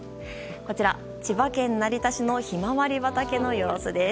こちら千葉県成田市のヒマワリ畑の様子です。